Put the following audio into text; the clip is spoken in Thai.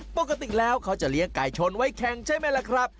ปกติแล้วเขาจะเลี้ยงไก่ชนไว้แข่งใช่ไหมล่ะครับ